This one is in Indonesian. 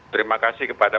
terima kasih kepada